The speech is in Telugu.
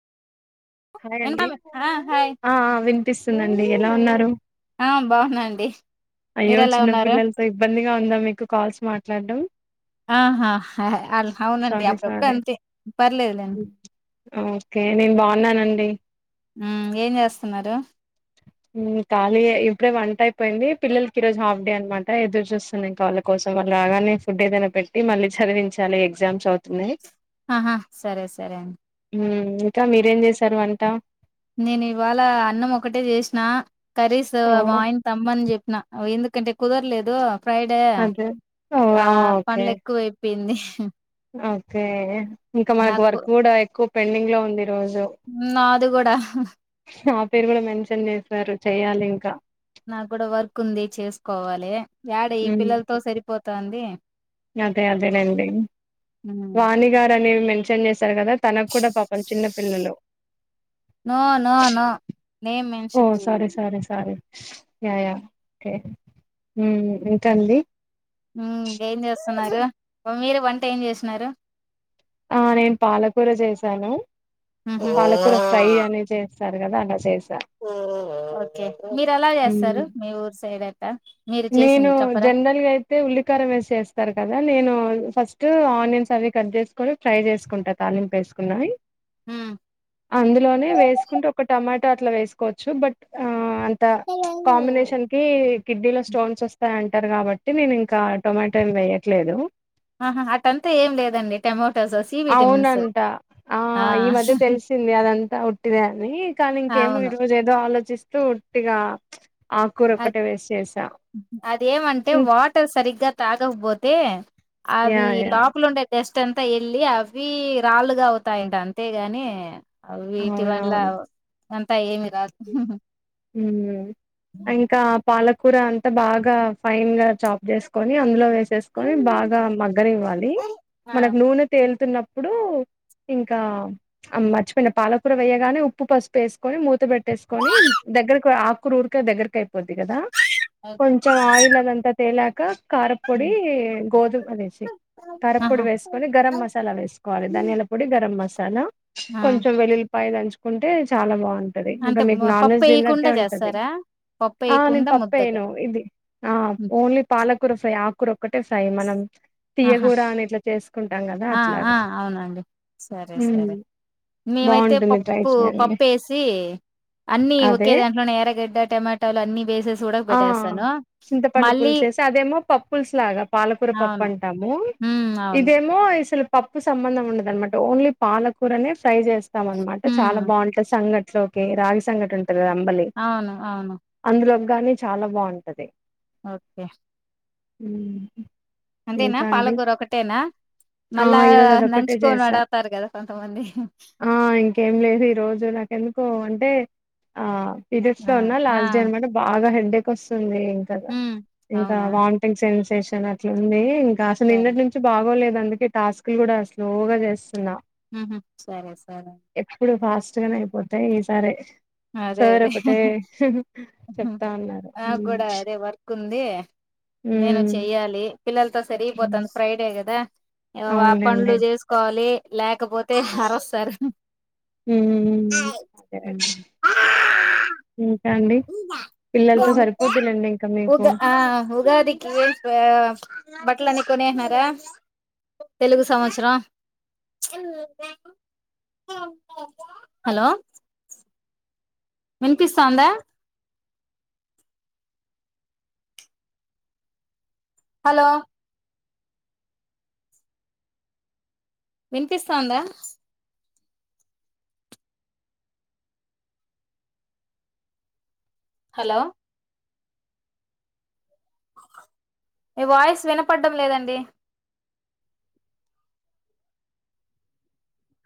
హయ్ వినప అండి ఆ హాయ్ ఆ వినిపిస్తుందండి ఎలా ఉన్నారు ఆ బాగున్నాండి మీరు అయ్యో ఎలా చిన్న ఉన్నారు పిల్లలతో ఇబ్బంది వీలుగా ఉందా మీకు కాల్స్ మాట్లాడడం ఆహా అవునండి సారీ అప్పుడప్పు సారీ అంతే పర్లేదు లెండి ఓకే నేను బాగున్నాను అండి హ్మ్ ఏం చేస్తున్నారు హు ఖాళీ ఏ ఇప్పుడే వంట అయిపోయింది. పిల్లలకి ఈ రోజు హాఫ్ డే అనమాట ఎదుర్ చూస్తున్నా ఇంకా వాళ్ళ కోసం, వాళ్ రాగానే ఫుడ్ ఏదైనా పెట్టి మళ్ళీ చదివించాలి, ఎగ్జామ్స్ అవుతున్నాయి. సరే సరే అన్ హ్ ఇంకా మీరేం చేసారు వంట నేను ఇవాళ అన్నమొ ఒకటే చేసిన కర్రీస్ ఓ వాయిన్ తమ్మని చెప్ నా ఓ ఎందుకంటే కుదరలేదు ఫ్రైడే అదే ఓ ఆ ఓకే పన్లు ఎక్కువయిపోయింది ఓకే ఇంకా మనకు నాకు వర్క్ గూడా ఎక్కు పెడింగ్ లో ఉంది రోజు అది కూడ హ్ హ్ నా పేరు కూడా మెన్షన్ చేసారు చెయ్యాలి ఇంకా నాకు కూడా వర్క్ ఉంది చేసుకోవాలి యాడ ఈ పిల్లలతో హ్మ్ సరిపోతాంది అదే అదేనండి హ్మ్. వాణిగారు అనేవి మ మెన్షన్ చేశారు కదా తనకు కూడ పాపం చిన్న పిల్లలు no no no name mention చెయద్ స్ యా యా ఒకే హ్మ్ ఇంకండి హ్మ్ ఏం చేస్తన్నారు మీరు వంట ఏం చేసినారు ఆ నేను పాలకూర జెసాను ఉహు పాలకూర ఫ్రై అని చెస్ సరే కద అండ్ చేస్ ఓకే మీరు ఎలా చేస్తారు హ్మ్ మీ ఊరు సైడ్ అట్ట మీరు నేను చేసింది చెప్పరా జనరల్ గా అయితే ఉల్లికారం వేసి చేస్తరు కదా నేను ఫస్ట్ ఆనియన్స్ అవి కట్ జెస్ కొని ఫ్రై చేసుకుంట తాలింపు వేసుకున్నవి హ్మ్ అందులోనే వేసుకుంటే ఒక టమాట్ ట అట్ల వేసుకోవచ్చు బట్ ఆ అం త్త ప్చ్ కాంబినేషన్ కీ కిడ్నీలో స్టోన్స్ వస్తాయంటారు కాబట్టి నేను ఇంకా టొమాటోల్ వేయట్లేదు అహా హా అటంతా ఏం లేదండి టమోట్ అవునంట ఆ ఈ మధ్య తెలిసింది అదంతా ఉట్టిదే అని కానీ ఇంకేమో ఈ అవును రోజు ఏదో ఆలోచిస్త స్తు ఉట్టిగా ప్చ్ అద్ అదేమంటే ఇం వాటర్ సరిగ్గా తాగకపోతే అవి యాహ్! యాహ్! లోపల ఉండేవ్ జస్ట్ అంతా వెళ్ళి అవి రాళ్ళుగా అవుతాయంటా అంతేగాని ఆ వీటి వల్ల అవునవును. అంతా ఏమి రాదు ఊమ్ ఇంకా పాలక్ కూర అంతా బాగా ఫైన్ గా చాప్ చేసుకొని అందులో వేస్ వేసుకొని బాగా మగ్గనివ్వాలి ఆ మనకు నూనె తేలుతున్నప్ ఇప్పుడు ఇంకా మర్చిపోయిన పాలకూర వేయగానే ఉప్పు పసుపు వేసుకొని మూత పెట్టేసుకొని దగ్గరకు ఆకుఉరికే దగ్గరకి అయిపోద్ది కదా కొంచెం ఆయిల్ అదంతా తేలాక కారపొడి గోధుమ అదే చీ కారపొడి ఆహా వేసుకొని గరం మసాలా వేసుకోవాలి ధనియాల పొడి గరం మసాలా ఆ చాలా కొంచెం వెల్లుల్లి పాయి దంచుకుంటే చాలా బాగుం ఇంక అంటే మీకు మ- నాన్ పప్పు వెజ్ టె వేయకుండా ఉంటది చేస్తారా పప్పు ఆ నేన్ వేయకుండా పప్పు ముద్దగా ఏయ్యను ఆ ఇది ఉమ్, ఓన్లీ పాలకూర ఫ్రై ఆకురు ఒక్కటే ఫ్రై మనం ఆహా తీయగూర అని ఇట్లా చేసుకుంటాం కదా ఆ అట్లాగా ఆ అవునండి సరే ఉమ్ సరే మేమైతే బాగుంటుంది ట్రై పప్పు చేయండి పప్పేసి అన్ని అదే ఒకే దాంట్లోనే ఎర్రాగడ్డా టమాటాలు అన్ని వేసేసి ఉడక ఆ పెట్టేస్తాను చింతపండు మళ్ళీ పులుసేసి అదేమో పప్పులుస్ లాగా పాలకూర పప్పు అవును అంటా హ్మ్ అవును ఇదేమో ఇసిల్ పప్పు సంబంధం ఉండదనమాట ఓన్లీ పాలకూరనే ఫ్రై చేస్తాం అనమాట హ్మ్ చాలా బాగుంటుది సంఘట్ లోకి రాగి సంగటి ఉంటుం రాంబలి అవును అవును అందులో కానీ చాలా బాగుంటది ఓకే హు అంతేనా పాలకూర ఒకటేనా ఆ మళ్ళా ఈరోజు అదొక్కటే నంచుకొని చేసా అడగతారు కదా కొంతమంది కో అంటే ఆ పీరియడ్స్ ఆ లో ఉన్న ఆ లాస్ట్ డే అన్నమాట బాగా హెల్ ఇక వస్తుంది ఇందా హ్మ్ ఇంకా అవునా వాంటింగ్ సెన్స్ షన్ అట్ల ఉంది ఇం అసలు సరే నీన్నటి నుంచి బాగోలేదు అందుకే టాస్క్ లు కూడ స్లోగ చేస్తున్న ఉహ్మ సరే సరే ఫస్ట్ గనే అయిపోతాయి ఈ సారే అదే సార్ అదే ఒకటే చెప్తా ఉన్నారు నాకు కూడా అదే వర్క్ ఉంది నేను ఉమ్ చెయ్యాలి పిల్లలతో సరిగిపోతంది ఫ్రైడే కదా ఏ ఆ పన్లు అవునులేండి చేసుకోవాలి లేకపోతే అరుస్తారు హమ్ అదే అదే పిల్లలతో సరిపోద్దిలేండి ఇంకా మీకు ఉగా ఆ ఉగాదికి కొనేస్తరా తెలుగు సంవత్సరం ప్చ్ హలో వినిపిస్తాంద హలో వినిపిస్తాంద హలో ఈ వాయిస్ వినపడ్డం లేదండి